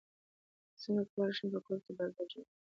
څنګه کولی شم په کور کې برګر جوړ کړم